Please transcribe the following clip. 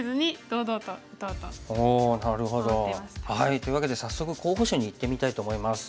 というわけで早速候補手にいってみたいと思います。